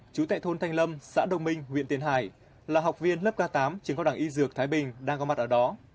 chú tệ thôn thanh lâm xã đông minh huyện tiền hải là học viên lớp k tám trường cao đẳng y dược thái bình đang có mặt ở đó